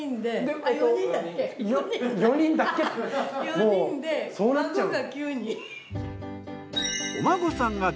もうそうなっちゃうの？